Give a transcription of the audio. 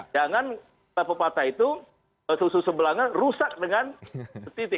jangan pepatah itu susu sebelangan rusak dengan setitik